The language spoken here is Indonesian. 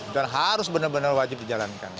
dan harus benar benar wajib dijalankan